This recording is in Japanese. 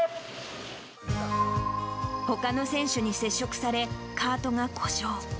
ほかの選手に接触され、カートが故障。